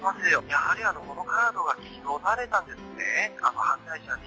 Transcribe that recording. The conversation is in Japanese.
やはりこのカードは偽装されたんですね、犯罪者に。